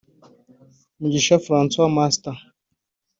Mugisha Francois Master